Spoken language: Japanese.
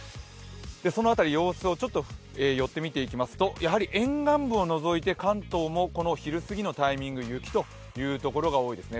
その辺り様子を見ていきますと、沿岸部を除いて関東もこの昼すぎのタイミング、雪という所が多いですね。